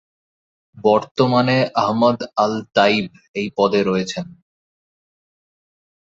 বর্তমানে Ahmad al-Tayeb এই পদে রয়েছেন।